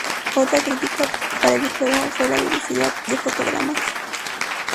Otra crítica para el juego fue la velocidad de fotogramas.